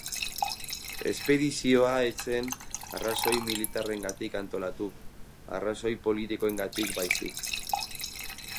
Espedizioa ez zen arrazoi militarrengatik antolatu, arrazoi politikoengatik baizik.